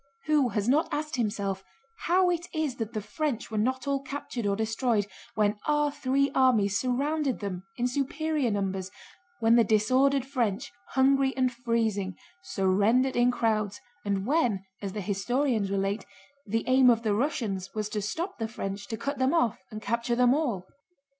Who has not asked himself how it is that the French were not all captured or destroyed when our three armies surrounded them in superior numbers, when the disordered French, hungry and freezing, surrendered in crowds, and when (as the historians relate) the aim of the Russians was to stop the French, to cut them off, and capture them all?